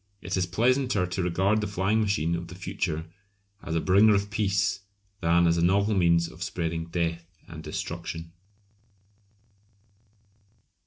It is pleasanter to regard the flying machine of the future as a bringer of peace than as a novel means of spreading death and destruction.